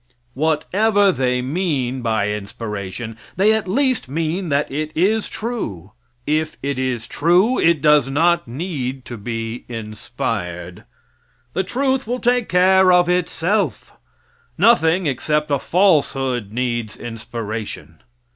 Whatever they mean by inspiration, they at least mean that it is true. If it is true, it does not need to be inspired. The truth will take care of itself. Nothing except a falsehood needs inspiration.